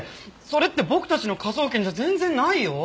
それって僕たちの科捜研じゃ全然ないよ！